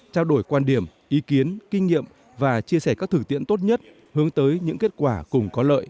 trao đổi quan điểm ý kiến kinh nghiệm và chia sẻ các thử tiện tốt nhất hướng tới những kết quả cùng có lợi